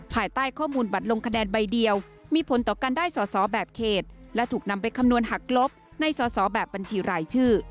ภายใต้ข้อมูลบัตรลงคะแนนใบเดียวมีผลต่อการได้สอสอแบบเขตและถูกนำไปคำนวณหักลบในสอสอแบบบัญชีรายชื่อ